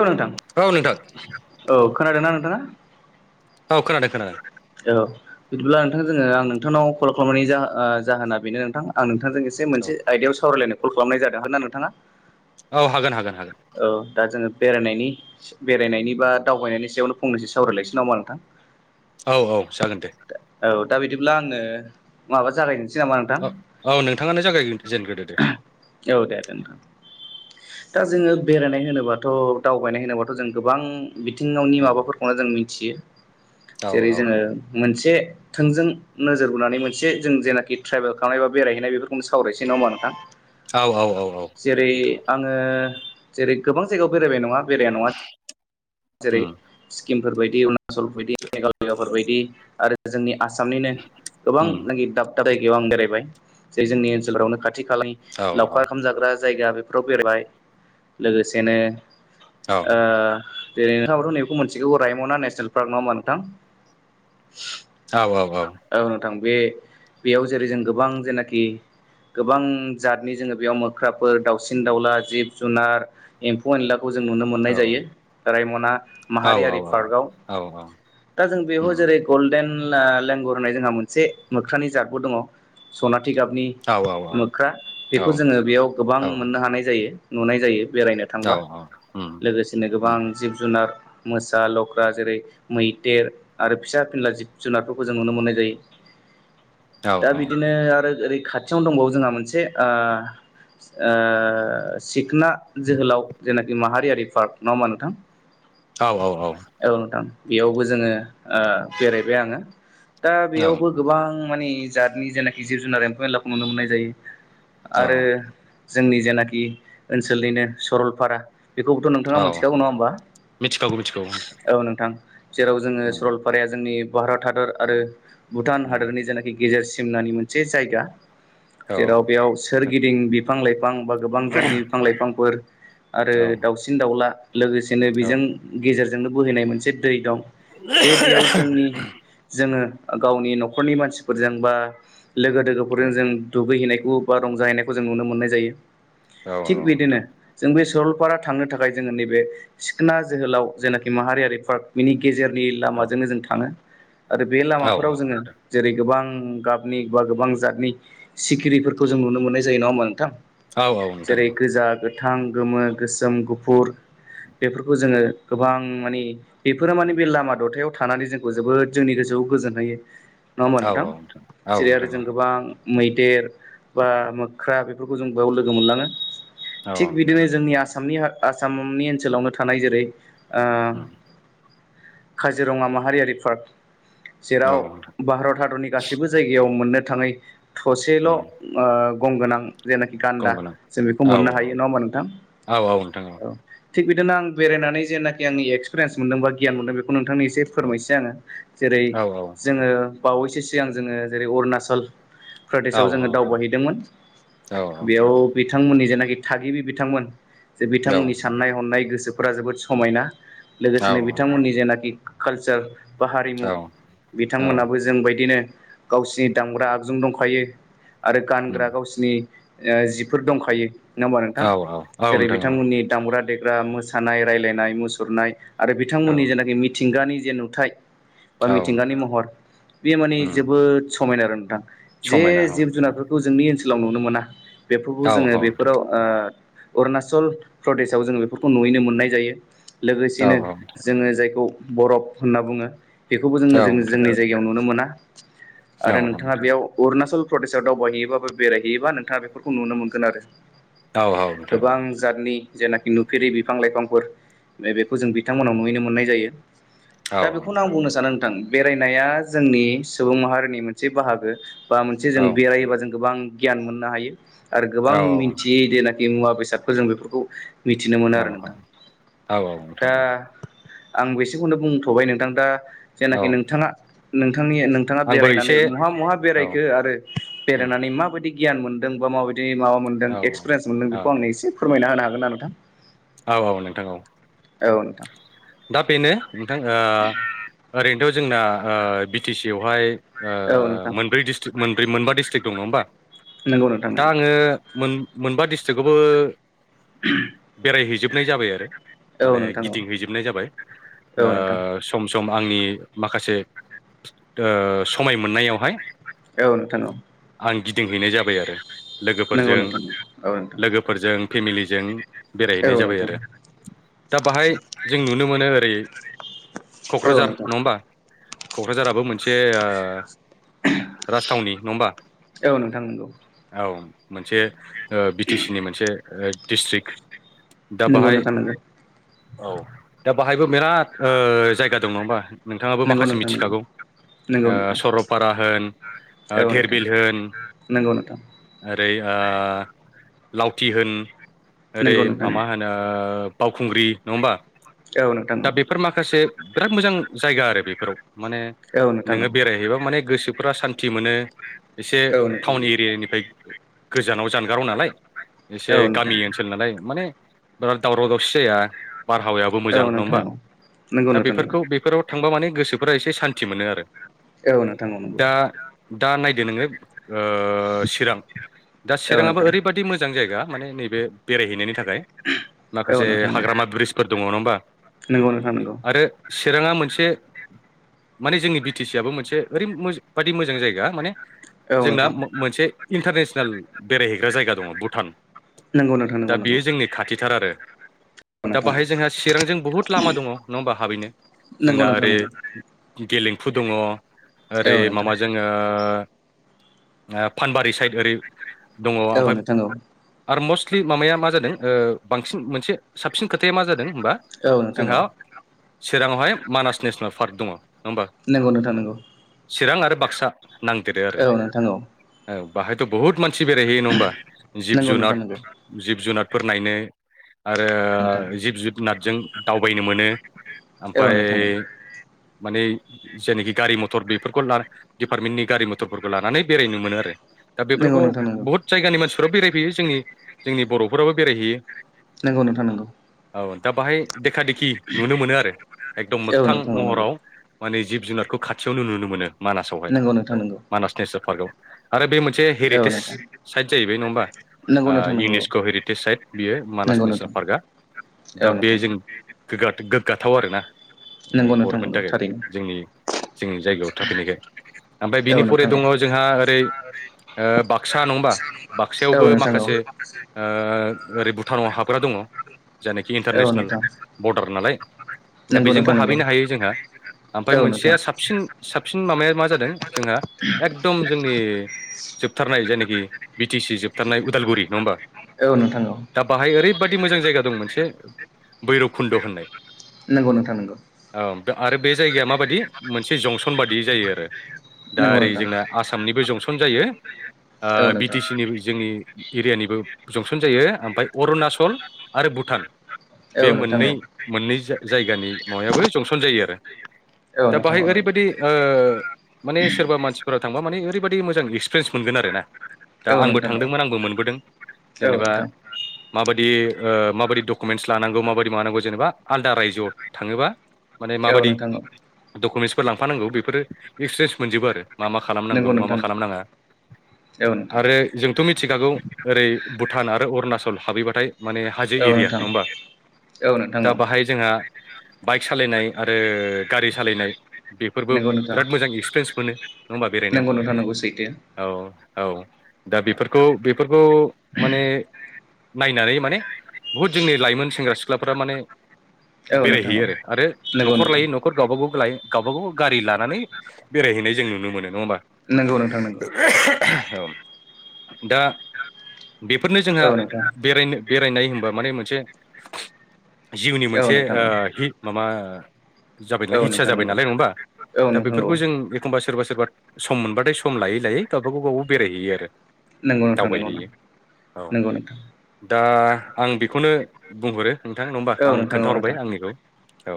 औ नोंथां। औ नोंथां औ खोनादों ना नोंथाङा? औ खोनादों खोनादों। औ बिदिब्ला नोंथां जोङो आं नोंथांनाव कल खालामनायनि जाहो ओ जाहोना बेनो नोंथां आं नोंथांजों एसे से औ मोनसे आयदायाव सावरायलायनाय कल खालामनाय जादों हागोनना नोंथाङा? औ हागोन हागोन हागोन‌। औ दा जोङो बेरायनायनि बेरायनायनि बा दावबायनायनि सायावनो फंनैसो सावरायलायसै नामा नोंथां? औ औ जागोन दे। औ दा बिदिब्ला आङो माबा जागायनोसै नामा नोंथां औ औ नोंथाङानो जागायजेनग्रोदो दे। औ दे दे नोंथां दा जोङो बेरायनाय होनोबा थ' दावबायनाय होनोबाथ' जों गोबां बिथिङावनि उम माबाफोरखौनो जों मिथियो। औ जेरै जोङो मोनसे थोंजों नोजोर बोनानै मोनसे जों जेनाखि ट्रेभेल खालामनाय बा बेरायहैनाय बेफोरखौनो सावरायनोसै नामा नोंथां। औ औ औ औ जेरै नोंथां आङो जेरै गोबां जायगायाव बेरायबाय नङा बेरायनाय नङा जेरै उम सिक्किमफोर बायदि अरुणाचलफोर बायदि मेघालयाफोर बायदि आरो जोंनि आसामनिनो उम गोबांनाखि दाब दाब जायगायाव आं बेरायबाय जे जोंनि ओनसोलफ्रावनो खाथि खालानि औ औ लावखार ओंखाम जाग्रा जायगा बे फोराव बेरायबाय लोगोसेनो औ जेरै नोंथांआबोथ' नैखौ मोनथिगौ रायमना नेसनेल पार्क नङा होमबा नोंथां? औ औ औ औ नोंथां बे बेयाव जेरै जों गोबां जेनाखि गोबां जातनि जोङो बेयाव मोख्राफोर दाउसिन दाउला जिब जुनार एम्फौ एनला खौ जों नुनो मोन्नाय जायो रायमना औ माहारियारि पार्कआव औ उम औ औ दा जों बेयाव उम उम जेरै गल्डेन लेंगर होननाय जोंहा मोनसे मोख्रानि जातबो दङ। सनाथि गाबनि औ औ मोख्रा बेखौ जोङो बेयाव गोबां मोननो हानाय जायो। नुनाय जायो बेरायनो औ थांबा औ उम लोगोसेनो गोबां जिब जुनार मोसा लख्रा जेरै मैदेर आरो फिसा फिनला जिब जुनारफोरखौ जों नुनो मोननाय जायो। दा बिदि नो आरो ओरै खाथियावनो दंबावो जोंहा मोनसे सिखना जोहोलाव जेनाखि माहारियारि पार्क नङा होमबा नोंथां। औ औ औ। एवथां बेयावबो जोङो ओ बेरायबाय आङो दा बेयावबो गोबां मानि जातनि जेनाखि जिब जुनार एम्फौ एनलाखौ नुनो मोननाय जायो। औ आरो जोंनि जेनाखि ओनसोलनिनो सरलपारा बेखौबोथ' नोंथाङा औ मोन मिथिखागौ नङा होमबा मिथिखागौ मिथिगौ औ नोंथां। जेराव जोङो उम सरलपाराया जोंनि भारत हादर आरो भुटान उम हादरनि जेनाखि गेजेर सिमनानि मोनसे जायगा‌। औ जेराव बेयाव सोरगिदिं बिफां लाइफां बा गोबां जातनि बिफां लाइफांफोर आरो औ दाउसिन दाउला लोगोसेनो बेजों गेजेरजोंनो बोहैनाय मोनसे दै दं। जे दैयाव जोंनि जोङो गावनि न'खरनि मानसिफोरजों बा लोगो दोगोफोरजों जों दुगैहैनायखौ बा रंजाहैनायखौ जों नुनो मोननाय जायो औ थिग औ बिदिनो जों बे सरलपारा थांनो थाखाय जोङो नैबे सिखोन जोहोलाव जेनाखि माहारियारि पार्क बिनि गेजेर नि औ लामाजोंनो जों थाङो आरो बे औ लामाफोराव जोङो नोंथां जेरै गोबां गाबनि बा गोबां जातनि सिखिरिफोरखौ जों नुनो मोननाय जायो नङा होमा औ औ नोंथां। नोंथां जेरै गोजा गोथां गोमो गोसोम गुफुर। बेफोरखौ जोङो गोबां माने बेफोरो माने बे लामा दथायाव थानानै जोंखौ जोबोद जोंनि गोसोआव गोजोन होयो नङा होमबा नोंथां औ जेरै नोंथां आरो जों गोबां। मैदेर बा मोख्रा बेफोरखौ जों बेयाव लोगो मोनलाङो थिग बिदिनो जोंनि आसामनि आसामनि ओनसोलावनो थानाय जेरै ओ काजिरङा माहारियारि पार्क औ जेराव नोंथां भारत हादरनि गासैबो जायगायाव मोननो थाङै थसेल' गंगोनां जेनाखि गं गान्दा गोनां जों बेखौ औ मोननो हायो नङा होमबा नोंथां? औ औ नथां औ। थिग बिदिनो आं बेरायनानै जेनाखि आंनि एक्सपिरियन् मोनदों बा गियान मोनदों बेखौ नोंथांनि एसे फोरमायनोसै आङो जेरै औ औ जोङो बावैसो सिगां जोङो जेरै अरुणाचल। औ प्रदेशआव जोङो दावबायहैदोंमोन बेयाव बिथांमोननि जेनाखि थागिबि बिथांमोन जे बिथांमोननि नाय हनाय गोसोफोरा जोबोद समायना औ लोगोसेनो नोंथां बिथांमोननि जेनाखि कालचार। बा हारिमु औ औ औ बिथांमोनाबो जों बायदिनो- गावसिनि दामग्रा आगजुं दंखायो आरो गानग्रा गावसिनि जिफोर दंखायो नङा होमबा नोंथां जेरै बिथांमोननि दामग्रा देग्रा मोसानाय रायनाय मुसुरनाय आरो बिथांमोननि जेनाख मिथिंगानि जे नुथाय बा मिथिंगानि महर बे माने जोबोद समायना आरो नोंथां जे समायना औ जिब जुनारफोरखौ ज जोंनि ओनसोलाव नुनो मोना बेफोरखौ औ औ जोङो नोंथां बेफोराव अरुनाचल प्रदेशाव जोङो बेफोरखौ नुयैनो मोननाय जायो औ लोगोसेनो जोङो जायखौ बरफ होनना बुङो बेखौबो जोङो जों नोंथां औ नोंथां औ जोंनि जायगायाव नुनो मोना आरो नोंथाङा बेयाव अरुणाचल प्रदेशआव दावबायहैयोब ब बेरायहैयोबा नोंथाङा बेफोरखौ नुनो मोनगोन आरो। औ गोबां जातनि जेनाखि नुफेरि बिफां लाइफांफोर बेखौ जों बिथांमोनाव नुहैनो मोननाय जायो। दा बेखौनो आं बुंनो सानो नोंथां बेरायनाया जोंनि सुबुं माहारिनि मोनसे बाहागो। बा मोनसे जों बेरायोबा जों गोबां गियान मोननो हायो आरो गोबां मिन्थियै देनाख मुवा बेसादखौ जों बेफोरखौ मिथिनो मोनो आरो नोंथां औ नोंथां दा औ आं बेसेखौनो बुंथ'बाय नोंथां दा जेनाखि नोंथाङा नोंथांनि नोंथाङा आंबो बेरायनानै एसे महा महा बेरायखो आरो औ बेरायनानै माबायदि गियान मोन्दों बा माबायदि बिदि माबा मोन्दों औ एक्सपिरियेन्स मोनदों बेखौ आंनो एसे फोरमायना होनो हागोन ना नोंथां। औ औ नोंथां औ औ नोंथां दा बेनो नोंथां। ओरैनोथ' जोंना बि टि सि आवहाय औ नोंथां मोनब्रै डिस्ट्रि मोनब्रै मोनबा डिस्ट्रिक् दङ होमबा नंगौ नोंथां दा नंगौ आङो मोन। मोनबा डिस्ट्रिक्टआवबो [inaudible] बेरायहैजोबनाय जाबाय आरो औ माने नोंथां औ गिदिंहैजोबनाय जाबाय औ नोंथां ओ। सम सम आंनि माखासे ओ समाय मोननायावहाय। औ औ नोंथां औ आं गिदिंहैनाय जाबाय आरो नंगौ लोगोफोरजों नोंथां औ नोंथां लोगो। फोरजों फेमिलिजों। औ बेरायहैनाय जाबाय नोंथां आरो दा बाहाय जों नुनो मोनो ओरै। औ क'क्राझार नोंथां नङा होनबा क'क्राझाराबो मोन। मोनसे राजथावनि नङा होमबा। औ नोंथां नंगौ औ मोनसे ओ बि टि सि नि मोनसे ओ डिस्ट्रिक्ट। दा नंगौ बाहाय नोंथां औ दा बाहायबो बिराद ओ जायगा दं नङा होनबा। नोंथाङाबो नंगौ नंगौ माखासे नोंथां नंगौ मिथिखागौ। नंगौ ओ नोंथां सरलपारा होन ओ औ नोंथां धिरबिल होन। नंगौ नोंथां ओरै ओ लावथि होन। ओरै नंगौ नोंथां माबा होनो बावखुंग्रि नङाहोमबा। औ नोंथां औ। बेफोर माखासे बिराद मोजां जायगा आरो बेफोराव माने औ नोंथां नोङो बेरायहैबा माने गोसो। फोरा सान्थि मोनो एसे औ नोंथां टाउन नंगौ एरियानिफ्राय। गोजानाव जानगाराव नालाय एसे औ नोंथां गामि ओ नालाय माने बिराद दावराव दावसि जाया बार हावाया बो मोजां औ नङा नोंथां होमबा औ नंगौ दा नोंथां नंगौ बेफोरखौ बेफोराव थांबा माने गोसोफोरा एसे सान्थि मोनो आरो। औ नोंथां औ नंगौ। दा दा नायदो नोङो ओ चिरां दा औ चिराङाबो नोंथां ओरैबायदि मो जां जायगा माने नैबे बेरायहैनायनि थाखाय। औ माखासे नोंथां औ हाग्रामा ब्रिजफोर दङ नङा होमबा नंगौ नोंथां नंगौ आरो। चिराङा मोनसे। माने जोंनि बि टि सि आबो मोनसे ओरै बादि मोजां जायगा माने। औ जोंना नोंथां मोनसे इन्टारनेसनेल बेरायहैग्रा जायगा दङ भुटान। नंगौ नोंथां दा नंगौ बेयो नंगौ जोंनि खाथिथार आरो। औ दा नोंथां बाहाय जोंहा चिरांजों बुहुत लामा दङ नङा होमबा हाबैनो नंगौ जोंना नोंथां ओरै। नंगौ गेलेम्फु दङ ओरै औ नोंथां माबाजों। ओ फानबारि साइद ओरै दङ औ ओमफाय। नोंथां औ आरो मस्टलि माबाया मा जादों ओ बांसिन मोनसे साबसिन खोथाया मा जादों। होमबा औ नोंथां जोंहा औ चिराङावहाय मानास नेसनेल पार्क दङ नङा होमबा। नोंगौ नोंथां नोंगौ। चिरां आरो बाक्सा नांदेरो आरो औ नोंथां औ औ। बाहायथ' बहुत मानसि बेरायहैयो नङा होमबा जिब नंगौ जुनार नोंथां नंगौ जिब जुनारफोर नायनो। आरो नोंथां जिब जुद जुनादजों दावबायनो मोनो औ ओमफाय। नोंथां औ माने। जेनोखि गारि मथर बेफोरखौ डिपार्टमेन्टनि गारि मथरफोरखौ लानानै बेरायनो मोनो आरो। दा नंगौ बेफोरखौ नोंथां नंगौ बहुद जायगानि मानसिफोराबो बेरायफैयो जोंनि जोंनि बर'फोराबो बेरायहैयो। नोंगौ नोंथां नोंगौ। औ दा बाहाय देखा देखि नुनो मोनो आरो एकदम औ मोगथां नोंथां औ नंगौ महराव। माने जिब जुनारखौ खाथियावनो नुनो मोनो मानासावहाय नंगौ नोंथां नंगौ मानास नेसनेल पार्कआव आरो बे मो नसे औ हेरिटेज नोंथां साइट जाहैबाय नङा होमबा नंगौ ओ। नोंथां नंगौ औ इउनेस्क' हेरिटेज साइट बियो मानास नंगौ नेसनेल नोंथां पार्कआ। औ दा बे नोंथां जों गोगा गोग्गाथाव आरोना नंगौ नोंथां बर'फोरनि नंगौ थाखाय थारैनो जोंनि। जोंनि जायगायाव थाफैनायखाय ओमफाय औ नोंथां बिनिफराय दङ जोंहा ओरै। ओ बाक्सा नङा होमबा औ बाक्सायावबो नोंथां औ माखासे। ओ ओरै भुटानाव हाबग्रा दङ जायनाखि औ इन्टारनेसनेल। नोंथां बरडार नालाय दा नंगौ नोंथां बेजोंबो नंगौ हाबहैनो हायो जोंहा। ओमफाय औ नोंथां मोनसेया साबसिन साबसिन माबाया मा जादों जोंहा एकदम जोंनि जोबथारनाय जायनाखि बि टि सि जोबथारनाय उदालगुरि नङा होमबा औ नोंथां दा बाहाय ओरैबायादि मोजां जायगा दं मोनसे बैरबकुन्द' होननाय नंगौ नोंथां नोंगौ औ आरो बे जायगाया माबायदि मोनसे जंसन बादि जायो आरो दा नंगौ ओरै नोंथां जोंना आसामनिबो जंसन जायो औ बि नोंथां टि सि निबो जोंनि एरियानिबो जंसन जायो ओमफ्राय अरुणाचल आरो भुटान औ बे नोंथां मोननै मोननै जायगानि माबायाबो जंसन जायो आरो औ दा नोंथां बाहाय औ नंगौ ओरैबायदि ओ माने सोरबा मानसि सोरावां माने ओरैबायाददि मोजां एक्सपिरियन्सगोन आर ना दा औ आंबो नोंथां थांदोंमोन आंबो मोनबोदों औ जेनेबा माबायदि माबायदि डकुमेन्टस लानांगौ माबायदि मानांगौ जेनेबा आलदा रायजोआव थाङोबा माने औ नोंथां औ माबायदि नोंथां औ डकुमेन्टसफोर लांफानांगौ बेफोरो एक्सपिरियेन्स मोनजोबो आरो मा मा खालामनांगौ नंगौ मा मा नोंथां खालामनाङा औ नोंथां आरो जोंथ' मिथिखागौ ओरै भुटान आरो अरुणाचल हाबहैबाथाय माने हाजो औ एरिया नोंथां नङा होमबा औ दा बाहाय जोंहा बाइक सालायनाय आरो गारि सालायनाय बेफोरबो नंगौ नोंथां बिराद मोजां एक्सपिरियेन्स मोनो नङा होमबा बेरायनायाव नंगौ नोंथां नंगौ सैथो औ औ दा बेफोरखौ बे बेफोरखौ माने नायनानै माने बुहुद जोंनि लाइमोन सेंग्रा सिख्ला सिख्लाफोरा माने औ नोंथां औ बेरायहैयो आरो आरो नंगौ न'खर नोंथां लायो न'खर गावब गाव गावबा गाव गारि लानानै बेरायहैनाय जों नुनो मोन नङा होमबा नंगौ नोंथांनांगौ औ दा बेफोरनो जोंहा औ नोंथां बेरायनो बेरायनाय होनबा माने मोनसे जिउनि औ मोनसे नोंथां औ हि माबा जाबायना औ हितसा नोंथां जाबाय नंगौ नालाय नङबा औ दा नोंथां औ बेफोरखौ जों एखमबा सोरबा सोरबा सम मोनबाथाय सम लायै लायै गावबाागाव गाव बेरायहैयो आरो नंगौ नोंथां नंगौ नोंथ दावबायहैयो औ नंगौ नोंथां दा आं बेखौनो बुंहरो नोंथां नङबा औ आं नोंथां औ नोंथां खोन्थाहरबाय आंनिखौ औ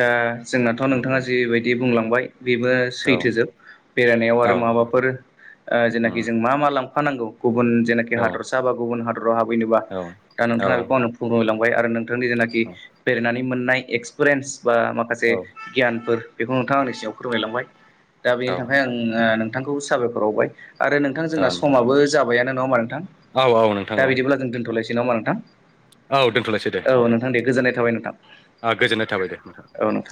दा जोंनाथ' नोंथाङा ओमफ्राय जिबायदि बुंलांबाय बेबो औ सैथोजोब बेरायनायाव आरो औ माबाफोर ओ जेनाखि उम जों मा मा लांफाानांगौ गुबुन जे औ हादरसा बा गुबुन हादराव हाबैनोबा औ दा औ नोंथाङा बेखौ आंनो बुंलांबाय आरो नोंथांनि जेनाखि बेरायनानै मोननाय एक्सपिरियेन्स बा माखासे गियानफोर बेखौ नोंथां आंनि सिाव फोरमायलांबाय दा औ बेनि थाखाय आं नोंथांखौ साबायखर बावबाय आरो नोंथां जोंना समाबो जाबायानो नङा होमा नोंथां औ औ नोंथां दा औ बिदिब्ला जों दोन्थ'लायसै नामा नोंथां औ औ नोंथां दे गोजोननाय थाबाय नोंथां आ गोजोन्नाय थाबाय दे नोंथाङा औ नों